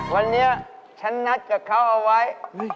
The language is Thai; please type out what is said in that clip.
วันนี้ฉันนัดกับเขาเอาไว้